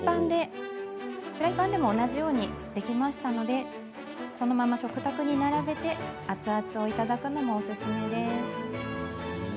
フライパンでも同じようにおいしくできましたのでそのまま食卓に並べて熱々をいただくのもおすすめです。